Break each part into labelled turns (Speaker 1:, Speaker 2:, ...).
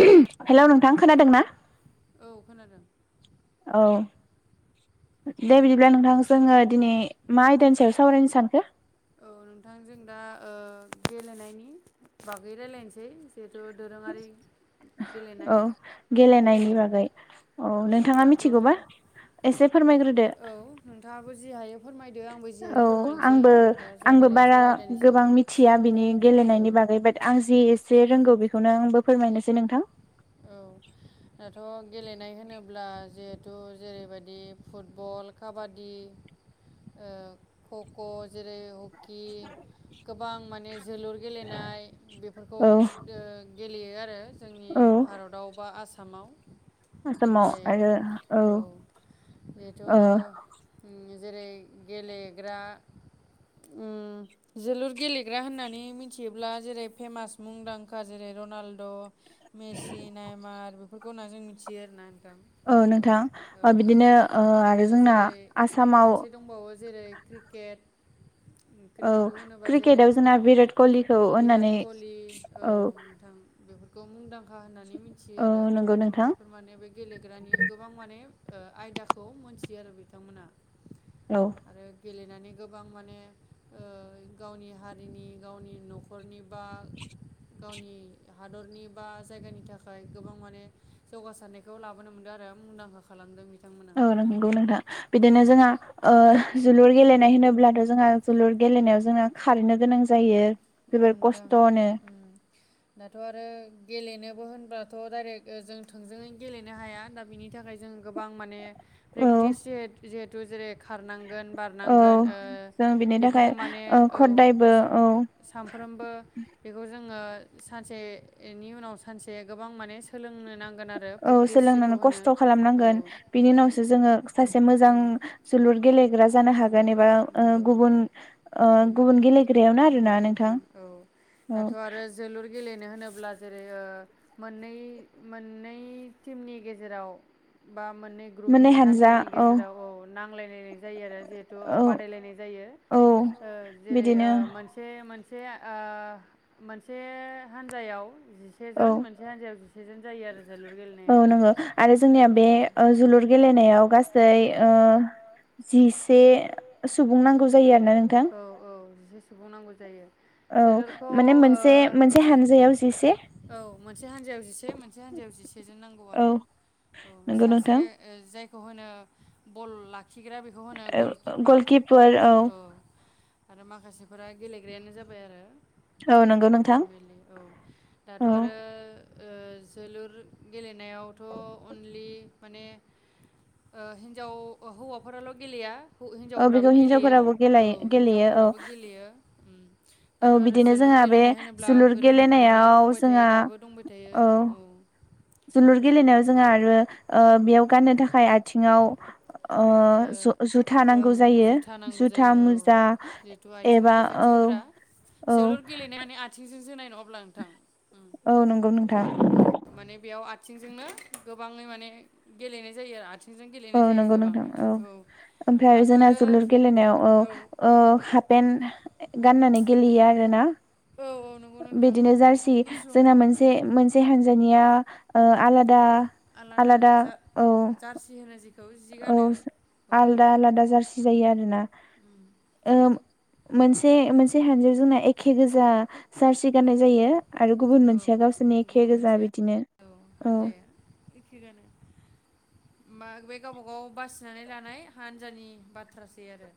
Speaker 1: खोनादों
Speaker 2: हेलौ नोंथां खोनादों ना
Speaker 1: औ खोनादों
Speaker 2: औ दे बिदिब्ला नोंथां जोंङो दिनै मा आयदानि सायाव सावरायनो सानखो
Speaker 1: औ नोंथां जों दा ओ गेलेनायनि बागै राय्लायनोसै
Speaker 2: औ गेलेनायनि
Speaker 1: औ
Speaker 2: बागै औ नोंथाङा मिथिगौबा एसे फोरमायग्रो
Speaker 1: औ नोंथाङाबो जि हायो फोरमाय
Speaker 2: औ आंबो आंबो
Speaker 1: जागायलायनोसै
Speaker 2: बारा
Speaker 1: आरो आयदानि
Speaker 2: गोबां
Speaker 1: सायाव
Speaker 2: मिथिया बिनि गेलेनायनि
Speaker 1: औ
Speaker 2: बागै बाट आं जि ए से रोंगौ बेखौनो आंबो फोरमायनोसै नोंथां
Speaker 1: औ दाथ' गेलेनाय होनोब्ला जिहेथु जेरैबायदि फुटबल काबादि ओ खख' जेरै हकि गोबां माने जोलुर गेलेनाय बेफोरखौ
Speaker 2: औ
Speaker 1: ओ गेलेयो आरो जोंनि
Speaker 2: औ
Speaker 1: [unintelligible] आसामाव
Speaker 2: आसामाव
Speaker 1: इण्डियायाव
Speaker 2: आरो
Speaker 1: औ बेथ'
Speaker 2: ओ
Speaker 1: ओम जेरै गेलेग्रा ओम जोलुर गेलेग्रा होननानै मिथियोब्ला जेरै फेमास मुंदांखा जेरै रनाल्द' मेसि नायमार बेफोरखौ होन्ना जों मिथियो आरो ना नोंथां
Speaker 2: औ नों
Speaker 1: औ
Speaker 2: नोंथां बिदिनो ओ आरो जोंना आसामाव
Speaker 1: मोनसे दंबावो जेरै क्रिकेट
Speaker 2: औ
Speaker 1: क्रिकेटखौ होनोबा जेरै
Speaker 2: क्रिकेटआव जोंना भिराट कहलिखौ
Speaker 1: भिराट
Speaker 2: होननानै
Speaker 1: कलि औ नोंथां बेफोर [unintelligible] मुंदां खा होननानै मिथियो
Speaker 2: औ
Speaker 1: आरो
Speaker 2: नंगौ नोंथां
Speaker 1: बेफोर माने बे गेलेग्रानि गोबां माने ओ आयदाखौ मोनथियो आरो बिथांमोना
Speaker 2: औ
Speaker 1: आरो गेलेनानै गोबां माने ओ गावनि हारिनि गावनि न'खरनि बा गावनि हादरनि बा जायगानि थाखाय गोबां माने जौगासारनायखौ लाबोनो मोनदों आरो मुंदांखा खालामदों बिथांमोना
Speaker 2: औ नंगौ नोंथां बिदिनो जोंहा ओ जोलुर गेलेनाय होनोब्लाथ' जोंहा जोलुर गेलेनायाव जोंना खारैनो गोनां जायो
Speaker 1: औ
Speaker 2: जोबोर
Speaker 1: नोंथां
Speaker 2: खस्थ'नो
Speaker 1: ओम दाथ' आरो गेलेनोबो होनबाथ' डाइरेक्ट जों थोंजोङै गेलेनो हाया दा बिनि थाखाय जों गोबां माने
Speaker 2: औ
Speaker 1: प्रेक्टिस जे जे [unintelligible] खारनांगोन
Speaker 2: औ
Speaker 1: बारनांगोन ओ
Speaker 2: जों बिनि थाखाय
Speaker 1: बेफोरखौ माने
Speaker 2: ओ
Speaker 1: औ
Speaker 2: खदायबो औ
Speaker 1: सानफ्रोमबो बेखौ जोङो सानसेनि उनाव सानसे गोबां माने सोलोंनो नांगोन आरो
Speaker 2: औ
Speaker 1: प्रेक्टिस जेखौ
Speaker 2: सोलोंनानै
Speaker 1: होनो
Speaker 2: खस्थ'
Speaker 1: औ
Speaker 2: खालामनांगोन बिनि उनावसो जोङो सासे मोजां जोलुर गेलेग्रा जानो हागोन एबा ओ
Speaker 1: नंगौ
Speaker 2: गुबुन ओ गुबुन गेलेग्रायावनो
Speaker 1: नंगौ
Speaker 2: आरोना नोंथां
Speaker 1: औ
Speaker 2: औ
Speaker 1: दाथ' आरो जोलुर गेलेनो होनोब्ला जेरै ओ मोननै मोननै टिमनि गेजेराव बा मोननै ग्रुपनि हान्जानि गेजेराव औ नांलायलायनाय जायो जेहेतु
Speaker 2: औ
Speaker 1: बादायलायनाय जायो
Speaker 2: औ
Speaker 1: ओ जेरै
Speaker 2: बिदिनो
Speaker 1: ओ मोनसे मोन से आ मोनसे हान्जायाव जिसे
Speaker 2: औ
Speaker 1: जन ओ मोनसे हान्जायाव जिसे जन जायो आरो जोलुर गेलेनायाव।
Speaker 2: औ नंगौ आरो जोंनिया बे ओ जोलुर गेलेनायाव से
Speaker 1: जि
Speaker 2: सुबुं
Speaker 1: जिसे
Speaker 2: नांगौ जायो आरोना नोंथां
Speaker 1: नांगौ औ औ जि सुबुं नांगौ जायो
Speaker 2: औ
Speaker 1: जोलुरखौ
Speaker 2: माने
Speaker 1: ओ
Speaker 2: मोनसे मोनसे हानजायाव जिसे
Speaker 1: औ मोनसे हान्जायाव जिसे मोनसे हान्जायाव जिसेजोन नांगौ
Speaker 2: औ
Speaker 1: आरो औ
Speaker 2: नंगौ
Speaker 1: सासे
Speaker 2: नोंथां
Speaker 1: ओ जाय खौ होनो बल लाखिग्रा बेखौ होनो
Speaker 2: ओ ओ
Speaker 1: गलकिपार
Speaker 2: गलकिपार औ
Speaker 1: आरो माखासेफोरा गेलेग्रायानो जाबाय आरो
Speaker 2: औ नंगौ नोंथां
Speaker 1: नर्मेलि औ दाथ'
Speaker 2: औ
Speaker 1: आरो ओ जोलुर गेलेनायावथ' अनलि माने हिन्जाव हौवाफोराल' गेलेया हो
Speaker 2: औ
Speaker 1: हिनजावफोराबो
Speaker 2: बेखौ
Speaker 1: गेलेयो
Speaker 2: हिनजावफोराबो
Speaker 1: औ
Speaker 2: गेलायो गेलेयो औ
Speaker 1: हिन्जावफोराबो गेलेयो ओम
Speaker 2: औ
Speaker 1: दाथ' आरो
Speaker 2: बिदिनो
Speaker 1: जोलुर
Speaker 2: जोंहा बे
Speaker 1: गेलेनाय होनोब्ला
Speaker 2: जोलुर
Speaker 1: गोदोनिफ्रायनो
Speaker 2: गेलेनायाव
Speaker 1: दंबाय थायो
Speaker 2: जोंहा
Speaker 1: दाबो दंबाय थायो औ
Speaker 2: जोलुर गेलेनायाव जोंहा आरो ओ बेयाव गाननो थाखाय आ थिङाव ओ ज-जुथा नांगौ
Speaker 1: ओं
Speaker 2: जायो
Speaker 1: जुथा नांगौ
Speaker 2: जुथा
Speaker 1: जायो औ
Speaker 2: मुजा
Speaker 1: जिहेथु आथिंनि
Speaker 2: एबा
Speaker 1: रैखाथि
Speaker 2: औ औ
Speaker 1: जोनायनो अब्ला नोंथां उम
Speaker 2: औ नंगौ नोंथां
Speaker 1: औ माने बेयाव आथिंजोंनो गोबाङै माने गेलेनाय जायो आरो आथिं
Speaker 2: औ नंगौ नोंथां औ ओमफ्राय
Speaker 1: दाथ'
Speaker 2: जोंना
Speaker 1: आरो
Speaker 2: जोलुर गेलेनायाव औ ओ हाबपेेन गाननानै गेलेयो आरो ना
Speaker 1: औ औ नंगौ नोंथां
Speaker 2: बिदिनो जार्सि
Speaker 1: गुसुं
Speaker 2: जोंना
Speaker 1: औ
Speaker 2: मोनसे मोनसे हानजानिया ओ आलादा आलादा ओ
Speaker 1: जार्सि होनो जेखौ जि गानो
Speaker 2: औस
Speaker 1: औ
Speaker 2: आलदा आलादा जार्सि जायो आरो ना ओ मोनसे मोनसे हानजाजोंना एखे गोजा जार्सि गाननाय जायो आरो गुबुन
Speaker 1: औ
Speaker 2: मोनसेया गावसोरनि एखे
Speaker 1: गुबुन
Speaker 2: गोजा
Speaker 1: मोनसे
Speaker 2: बिदिनो औ
Speaker 1: होमबा बे गावबागाव बासिनानै लानाय हान्जानि बाथ्रासै आरो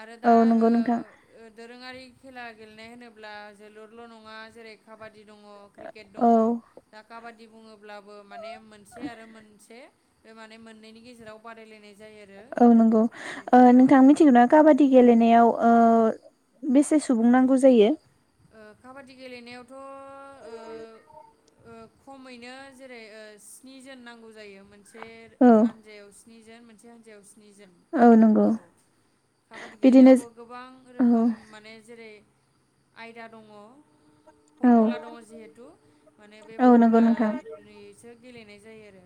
Speaker 1: आरो
Speaker 2: औ
Speaker 1: दा ओ
Speaker 2: नंगौ नोंथां
Speaker 1: दोरोङारि खेला गेलेनाय होनोब्ला जोलुरल' नङा जेरै काबा दि दङ क्रिकेट दङ
Speaker 2: औ
Speaker 1: दा काबा दि बुङो ब्लाबो माने मोनसे आरो मोनसे बे माने मोननैनि गेजेराव बादायलायनाय जायो आरो
Speaker 2: औ नंगौ ओ
Speaker 1: जिहेथु औ
Speaker 2: नोंथां मिथिगौ ना काबादि गेलेनायाव ओ बेसे सुबुं नांगौ जायो
Speaker 1: ओ काबादि गेलेनायावथ' ओ ओ खमैनो जेरै ओ स्निजोन नांगौ जायो मोन से
Speaker 2: औ
Speaker 1: आनजायाव स्निजोन मोन से हानजाव स्नि जोन औ काबादि
Speaker 2: बिदिनो
Speaker 1: गेलेनायावबो गोबां
Speaker 2: औ
Speaker 1: रोखोम माने जेरै आयदा दङ
Speaker 2: औ
Speaker 1: फरमुला दङ जिहेथु माने बे
Speaker 2: औ नंगौ नोंथां
Speaker 1: फरमुलारिसो गेलेनाय जायो आरो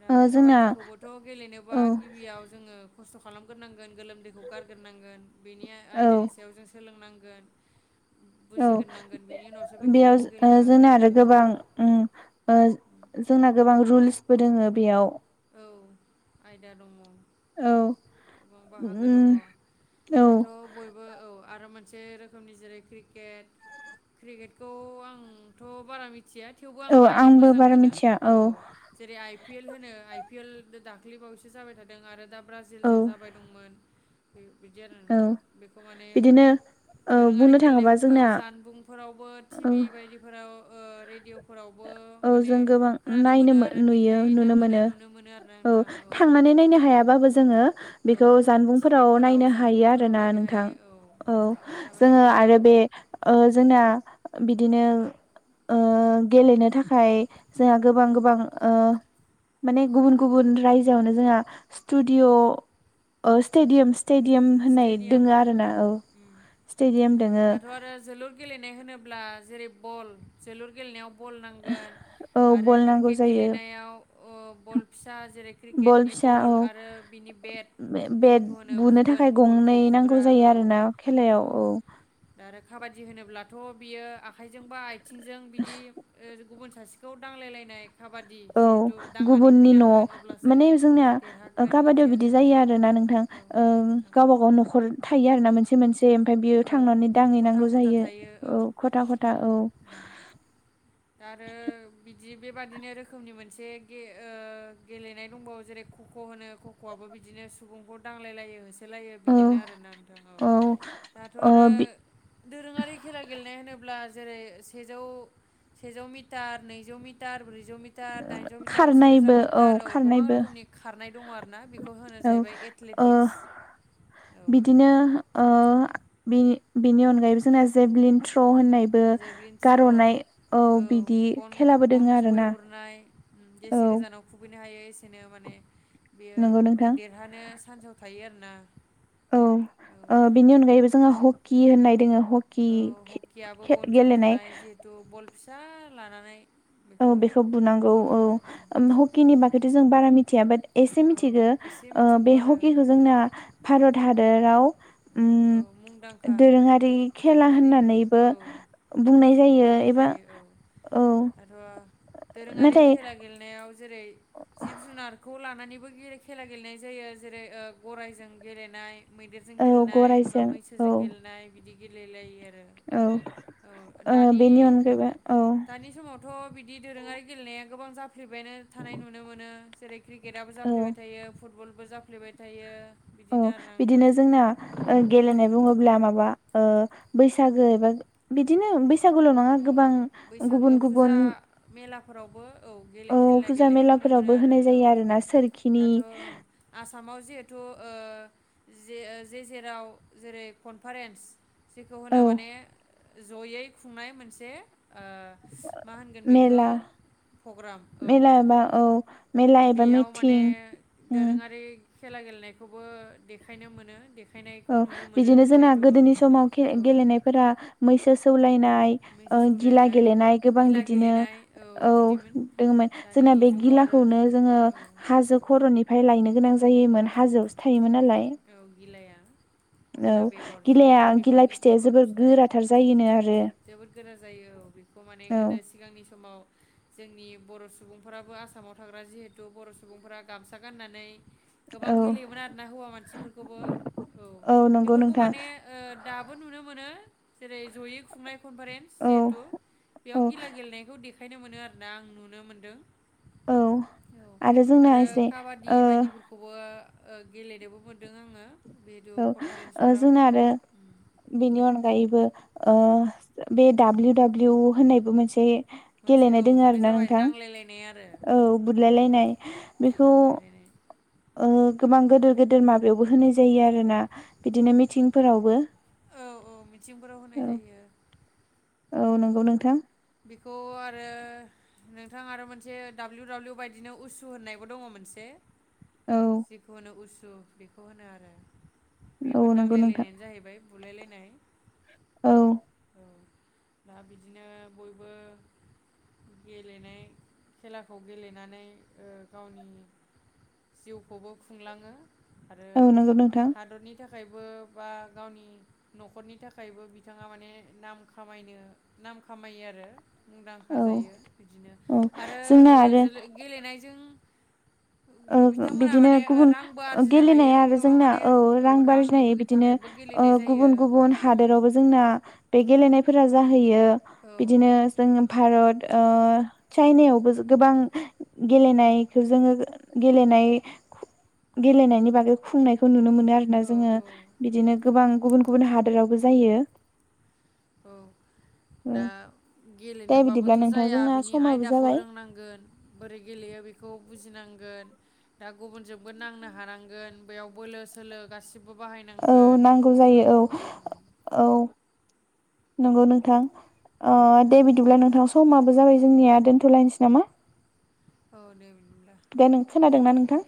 Speaker 1: दा
Speaker 2: ओ जोंना
Speaker 1: काबादिखौबोथ' गेलेनोबा
Speaker 2: औ
Speaker 1: गिबियाव जोङो खस्थ' खालामगोनां गोन गोलोमदैखौ गारगोर नांगोन बेनि
Speaker 2: औ
Speaker 1: आयदानि सायाव जों सोलोंनां गोन
Speaker 2: औ बेयाव ओ
Speaker 1: गेलेनो हागोन
Speaker 2: जोंना आरो
Speaker 1: औ
Speaker 2: गोबां उम ओ जोंना गोबां रुलस बो दोङो बेयाव
Speaker 1: औ आयदा दङ।
Speaker 2: औ
Speaker 1: गोबां बाहागो दङ
Speaker 2: उम औ
Speaker 1: दाथ' बयबो औ आरो मोनसे रोखोमनि जेरै क्रिकेट क्रिकेटखौ आंथ' बारा मिथ थिया थेवबो आं
Speaker 2: औ
Speaker 1: नायनो
Speaker 2: आंबो
Speaker 1: मोजां
Speaker 2: बारा
Speaker 1: मोनो
Speaker 2: मिथिया
Speaker 1: औ जेरै आइ पि एल होनो आइ पि एल दा दाख्लिबावैसो जाबाय थादों आरो दाब
Speaker 2: औ
Speaker 1: ब्राजिलजों जाबाय दंमोन। [unintelligible] बिदि आरो
Speaker 2: औ
Speaker 1: नोंथां बेखौ माने
Speaker 2: बिदिनो औ
Speaker 1: दोरोङारि
Speaker 2: बुंनो थाङोबा
Speaker 1: गेलेनायफोरखौ
Speaker 2: जोंना
Speaker 1: जानबुंफोरावबो
Speaker 2: औ
Speaker 1: टिभि बायदिफोराव ओ रेडिय'अ
Speaker 2: औ जों गोबां नायनो
Speaker 1: मोनो आरो
Speaker 2: नुयो
Speaker 1: देखायनो
Speaker 2: नुनो मोनो।
Speaker 1: नुनो मोनो आरोना
Speaker 2: औ
Speaker 1: नोंथां
Speaker 2: थांनानै नायनो हायाबाबो जोङो
Speaker 1: औ
Speaker 2: बेखौ जानबुंफोराव
Speaker 1: टिभिफोराव
Speaker 2: नायनो हायो आरो
Speaker 1: जानबुंफोराव
Speaker 2: ना
Speaker 1: नायनो
Speaker 2: नोंथां
Speaker 1: हायो
Speaker 2: औ
Speaker 1: थारमाने
Speaker 2: जोङो
Speaker 1: गोबां
Speaker 2: आरो बे ओ जोंना बिदिनो ओ गेलेनो थाखाय जोंहा गोबां गोबां ओ माने गुबुन गुबुन रायजोआवनो जोंहा स्टुडिय' ओ‌ स्टेडियामस
Speaker 1: स्टेडियाम उम उम
Speaker 2: स्टेडियाम दोङो
Speaker 1: दाथ' आरो जोलुर गेलेनाय होनोब्ला जेरैब बल जोलुर गेलेनायाव बल नांगोन
Speaker 2: औ
Speaker 1: आरो
Speaker 2: बल नांगौ
Speaker 1: क्रिकेट
Speaker 2: जायो
Speaker 1: गेलेनायाव अ बल फिसा जेरै क्रिकेटनि
Speaker 2: फिसा
Speaker 1: बल
Speaker 2: औ
Speaker 1: आरो बिनि बेट
Speaker 2: बेट
Speaker 1: जेखौ होनो
Speaker 2: बुनो
Speaker 1: बुगोन।
Speaker 2: थाखाय गंनै
Speaker 1: बलखौ
Speaker 2: नांगौ
Speaker 1: बुग्रा
Speaker 2: जायो
Speaker 1: औ
Speaker 2: आरोना खेलायाव औ
Speaker 1: खाबादि होनोब्लाथ' बियो आखाइजों बा आइ थिंजों बिदि ओ गुबुन सासेखौ दांलायलायनाय। काबादि
Speaker 2: औ
Speaker 1: जिहेथु दांनानै
Speaker 2: गुबुननि
Speaker 1: फैनांगोन
Speaker 2: न'आव
Speaker 1: अब्लासो
Speaker 2: माने जोंनिया ओ
Speaker 1: देरहागोन इदि
Speaker 2: काबादियाव बिदि
Speaker 1: आरो
Speaker 2: जायो आरोना नोंथां
Speaker 1: औ
Speaker 2: ओं।
Speaker 1: नोंथां
Speaker 2: गावबा
Speaker 1: उम
Speaker 2: गाव न'खर थायो आरोना मोनसे मोनसे से ओमफफ्राय बियो
Speaker 1: औ
Speaker 2: थांनानै
Speaker 1: खथा
Speaker 2: दांहैनांगौ
Speaker 1: खथा
Speaker 2: जायो
Speaker 1: थायो
Speaker 2: औ खथा खथा औ
Speaker 1: दि बेबादिनो रोखोमनि मोनसे गे ओ गेलेनाय दंबावो जेरै खख' होनो खख'आबो बिदिनो सुबुंखौ दांलायलायो होस सोलायो
Speaker 2: औ
Speaker 1: बिदिनो आरोना नोंथां औ दाथ
Speaker 2: ओ
Speaker 1: आरो
Speaker 2: बि
Speaker 1: दोरोङारि खेला गेलेनाय होनोब्ला जेरैे सेजौ सेजौ मिटार नैजौ मिटार ब्रैजौ जिजौ मिटार दाइनजौ मिटार सेरोजा
Speaker 2: खारनायबो
Speaker 1: मिटार औ गोबां
Speaker 2: खारनायबो
Speaker 1: रोखोमनि खारनाय दङ आरो ना बेखौ होनो
Speaker 2: औ
Speaker 1: जाहैबाय
Speaker 2: ओ
Speaker 1: एथलेटिक्स। औ
Speaker 2: बिदिनो ओ बेनि बेनि अनगायैबो जोंना जेभलिन थ्र' होननाय बो
Speaker 1: जेभलिन थ्र'
Speaker 2: गारहरनाय औ बिदि
Speaker 1: गन
Speaker 2: खेलाबो
Speaker 1: गन
Speaker 2: दोङो
Speaker 1: खुबै
Speaker 2: आरोना?
Speaker 1: हरनाय
Speaker 2: औ
Speaker 1: जेसे गोजानाव खुबै नो हायो एसेनो माने बेयो
Speaker 2: नंगौ नोंथां
Speaker 1: देरहानो सान्स आव थायो आरो ना
Speaker 2: औ ओ बिनि अनगायैबो जोंहा ह कि होननाय दोङो हकि
Speaker 1: औ हकियाबो गनजों
Speaker 2: गेलेनाय
Speaker 1: बुनाय जिहेतु बल फि सा लानानै
Speaker 2: औ बेखौ बुनांगौ औ हकिनि बागैथ' जों बारा मिथिया बाट एसे
Speaker 1: औ
Speaker 2: मिथिदो
Speaker 1: एसे
Speaker 2: ओ
Speaker 1: मिथिगौ
Speaker 2: बे
Speaker 1: आरो
Speaker 2: हकिखौ जोंना भारत हा दोराव
Speaker 1: औ
Speaker 2: ओम
Speaker 1: मुंदांखा
Speaker 2: दोरोङारि खेला
Speaker 1: दोरोङारि
Speaker 2: होननानैबो
Speaker 1: औ
Speaker 2: बुंनाय जायो
Speaker 1: बुंनाय
Speaker 2: एबा
Speaker 1: जायो औ
Speaker 2: औ
Speaker 1: दाथ' दोरोङारि
Speaker 2: नाथाय
Speaker 1: खेला गेलेनायाव जेरै जिब जुनारखौ लानानै खारनानैबो खेला गेलेनाय जायो जेरै गरायजों गेलेनाय मैदेरजों
Speaker 2: औ
Speaker 1: गेलेनाय। बा
Speaker 2: गरायजों औ
Speaker 1: मैसोजों गेलेनाय बिदि। गेलेेलायो आ
Speaker 2: औ ओ बेनि अनगायैबो औ।
Speaker 1: थ' बिदि दोरोङारि गेलेनाया गोबां जा फैबायनो थानाय नुनो मोनो। जेरै क्रिकेटआबो
Speaker 2: औ
Speaker 1: जाफैबाय थायो फुटबल बो जाफ्लेबाय थायो।
Speaker 2: औ
Speaker 1: बिदिनो आरोना नोंथां
Speaker 2: बिदिनो जोंना ओ गेलेनाय बुङोब्ला माबा ओ बैसागो एबा बिदिनो बैसागुल' नङा गोबां
Speaker 1: बैसागो
Speaker 2: गुबुन गुबुन
Speaker 1: फुजा मेलाफोरावबो औ गेले खेला
Speaker 2: फुजा
Speaker 1: गेलेनायखौ नुनो मोनो
Speaker 2: मेलाफोरावबो
Speaker 1: आरो
Speaker 2: होनाय जायो
Speaker 1: औ
Speaker 2: आरोना सोरखिनि
Speaker 1: दाथ' आसामाव जे थु ओ जे ओ जे-जेराव जेरै कनफारेन्स जेखौ होनो
Speaker 2: औ
Speaker 1: माने ज'यै खुंनाय मोनसे ओ मा होनगोन बेखौ
Speaker 2: मेला
Speaker 1: पग्राम औ
Speaker 2: मेला एबा औ मेला एबा
Speaker 1: बेयाव माने
Speaker 2: मिथिं उम
Speaker 1: दोरोङारि खेला गेलेनायखौबो देखायनो मोनो देखा
Speaker 2: औ बिदिनो जोंना गोदोनि समाव खे
Speaker 1: औ
Speaker 2: गेलेनायफोरा मैसो सौलायना नाय
Speaker 1: मैसो
Speaker 2: ओ गिला
Speaker 1: सौलायनाय
Speaker 2: गेलेनाय गोबां
Speaker 1: गिला
Speaker 2: बिदिनो
Speaker 1: गेलेनाय
Speaker 2: औ
Speaker 1: बिदिमोन
Speaker 2: दङमोन
Speaker 1: दानि
Speaker 2: जोंना बे
Speaker 1: जुगाव आरो
Speaker 2: गिलाखौनो जोङो
Speaker 1: औ
Speaker 2: हाजो खर'निफ्राय लायनो गोनां जायोमोन हाजोआवसो थायोमोन नालाय।
Speaker 1: औ गिलाया। गिला
Speaker 2: औ
Speaker 1: बेगर
Speaker 2: गिलाया
Speaker 1: जिहेथु
Speaker 2: गिलाय
Speaker 1: बिफांनि
Speaker 2: फिथाइया
Speaker 1: बेगर
Speaker 2: जोबोर
Speaker 1: फिथाइ
Speaker 2: गोराथार जायोनो आरो
Speaker 1: जोबोद गोरा जायो औ बेखौ माने
Speaker 2: औ
Speaker 1: गोदो सिगांनि समाव जोंनि बर' सुबुंफोराबो आसामाव थाग्रा जिहेथु बर' सुबुंफोरा गामसा गाननानै गोबां
Speaker 2: औ
Speaker 1: गेलेयोमोन आरो ना हौवा मान सिफोरखौबो औ
Speaker 2: औ नंगौ
Speaker 1: बेफोरखौ
Speaker 2: नोंथां
Speaker 1: माने ओ दाबो नुनो मोनो जेरै जयै खुंनाय कनफारेन्स
Speaker 2: औ
Speaker 1: जिहेतु बेयाव
Speaker 2: औ
Speaker 1: गिला गेलनायखौ देखा खायनो मोनो आरोना आं नुनो मोन्दों।
Speaker 2: औ
Speaker 1: औ
Speaker 2: जोंना
Speaker 1: आरो
Speaker 2: एसे
Speaker 1: काबादि
Speaker 2: ओ
Speaker 1: बायदिफोरखौबो ओ गेलेनोबो मोन नों आंनो
Speaker 2: औ, ओ जोंना आरो बेनि अनगायैबो ओ बे डाब्लिउ डाब्लिउ होननायबो मोनसे
Speaker 1: मोनसे
Speaker 2: गेलेनाय
Speaker 1: औ
Speaker 2: दोङो
Speaker 1: बे
Speaker 2: आरोना
Speaker 1: जाबाय
Speaker 2: नोंथां
Speaker 1: नांलायलायनाय आरो
Speaker 2: औ बुदलाय
Speaker 1: उम
Speaker 2: लायनाय बेखौ
Speaker 1: नांलायलायनाय
Speaker 2: ओ गोबां गोदोर गोदोर माबायावबो होनाय जायो आरोना बिदिनो मिथिंफोरावबो
Speaker 1: औ औ मिथिंफोराव होनाय
Speaker 2: औ
Speaker 1: जायो।
Speaker 2: औ नंगौ नोंथां।
Speaker 1: बेखौ आरो नोंथां आरो मोनसे दाब्लिउ दाब्लिउ बायदिनो उसु होननायबो दङ मोनसे।
Speaker 2: औ
Speaker 1: जिखुनु उसु औ बेखौ होनो आरो।
Speaker 2: औ
Speaker 1: बेबो
Speaker 2: नंगौ
Speaker 1: नांलाय
Speaker 2: नोंथां
Speaker 1: लायनायानो जाहैबाय। बुलायलायनाय
Speaker 2: औ
Speaker 1: औ दा बिदिनो बयबो गेलेनाय खेलाखौ गेलेनानै ओ गावनि जिउखौबो खुंलाङो। आरो
Speaker 2: औ नंगौ नोंथां
Speaker 1: हादरनि थाखाय थाखायबो बा गावनि न'खरनि थाखायबो बिथाङा माने नाम खामायनो नाम खामायो आरो मुंदांखा
Speaker 2: औ
Speaker 1: जायो बिदिनो
Speaker 2: औ
Speaker 1: आरो
Speaker 2: जोंना
Speaker 1: ओ
Speaker 2: आरो
Speaker 1: गेलेनायजों
Speaker 2: ओ
Speaker 1: बिथांमोना
Speaker 2: बिदिनो
Speaker 1: माने ओ
Speaker 2: गुबुन
Speaker 1: रांबो आरजिनो हायो
Speaker 2: गेलेनाया आरो
Speaker 1: गोबां
Speaker 2: जोंना,
Speaker 1: माने
Speaker 2: औ रां बो आरजिनो
Speaker 1: रांनिबो
Speaker 2: हायो बिदिनो
Speaker 1: थाखायबो
Speaker 2: ओ
Speaker 1: गेलेनाय जायो
Speaker 2: गुबुन गुबुन
Speaker 1: उम
Speaker 2: हादोरावबो जोंना बे गेलेनाय- -फोरा जा- -होयो
Speaker 1: औ
Speaker 2: बिदिनो जों भारत ओ! चाइनायावबो गोबां गेलेनायखौ जोङो- गेलेनाय, गेलेनायनि बागै खुंनायखौ नुनो मोनो। आरोना
Speaker 1: औ
Speaker 2: जोङ
Speaker 1: औ उम
Speaker 2: बिदिनो गोबां गुब गुब हादोरावबो- जायो।
Speaker 1: औ! दा
Speaker 2: दे बिदिब्ला
Speaker 1: गेलेनोबाबोथ'
Speaker 2: नोंथां
Speaker 1: जाया
Speaker 2: जोंना
Speaker 1: बिनि
Speaker 2: समाबो
Speaker 1: आयदाखौ
Speaker 2: जाबाय
Speaker 1: रोंनांगोन बोरै गेलेयो बेखौ बुजिनां- -ओ दा गुबुनजोंबो नांनो हानांगोन बेयाव बोलो-सोलो गासि-
Speaker 2: औ नांगौ जायो औ औ, नंगौ नोंथां।
Speaker 1: औ
Speaker 2: अ' दे बिदिब्ला नोंथां स- -समाबो जाबाय जोंनिया दोनथ'लायनोसै नामा?
Speaker 1: औ दे बिदिब्ला।
Speaker 2: -दोंना नोंथां?